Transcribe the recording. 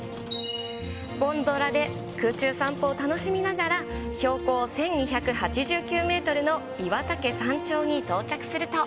ゴンドラで空中散歩を楽しみながら、標高１２８９メートルの岩岳山頂に到着すると。